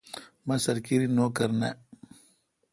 مہ سرکیری نوکر نہ۔